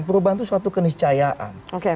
perubahan itu suatu keniscayaan